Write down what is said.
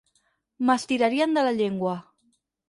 M'estirarien de la llengua.